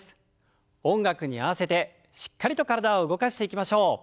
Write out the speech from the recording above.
音楽に合わせてしっかりと体を動かしていきましょう。